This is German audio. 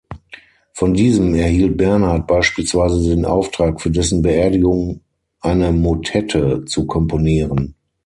Von diesem erhielt Bernhard beispielsweise den Auftrag, für dessen Beerdigung eine Motette zu komponieren.